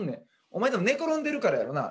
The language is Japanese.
お前たぶん寝転んでるからやろな。